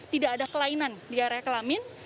tidak ada kelainan di area kelamin